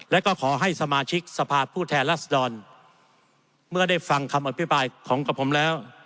และก็ขอให้สมาชิกสภาพผู้แทนรัศดรเมื่อได้ฟังคำอภิปรายของกับผมแล้ว